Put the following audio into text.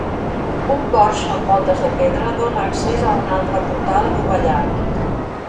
Un porxo amb voltes de pedra dóna accés a un altre portal adovellat.